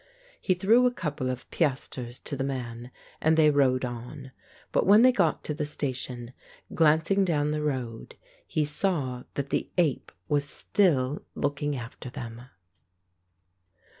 He threw a couple of piastres to the man, and they rode on. But when they got to the station, glancing down the road, he saw that the ape was still looking after them.